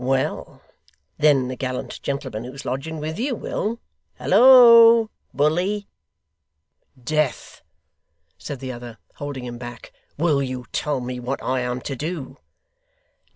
'Well! Then the gallant gentleman who's lodging with you, will. Hallo, bully!' 'Death!' said the other, holding him back. 'Will you tell me what I am to do!